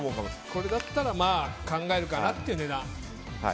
これだったら考えるかなっていう値段。